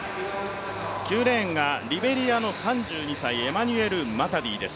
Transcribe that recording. ９レーンがリベリアのエマニュエル・マタディです。